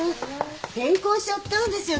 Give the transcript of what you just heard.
転校しちゃったんですよ